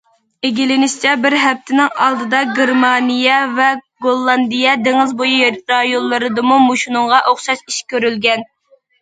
ئىگىلىنىشىچە، بىر ھەپتىنىڭ ئالدىدا گېرمانىيە ۋە گوللاندىيە دېڭىز بويى رايونلىرىدىمۇ مۇشۇنىڭغا ئوخشاش ئىش كۆرۈلگەن.